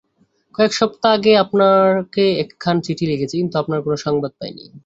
কয়েক সপ্তাহ আগে আপনাকে একখানা চিঠি লিখেছি, কিন্তু আপনার কোন সংবাদ পাইনি।